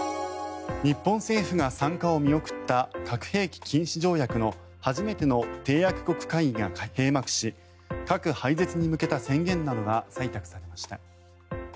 日本政府が参加を見送った核兵器禁止条約の初めての締約国会議が閉幕し核廃絶に向けた宣言などが採択されました。